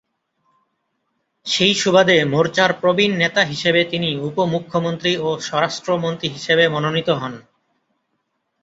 সেই সুবাদে মোর্চার প্রবীণ নেতা হিসেবে তিনি উপ -মুখ্যমন্ত্রী ও স্বরাষ্ট্র মন্ত্রী হিসেবে মনোনীত হন।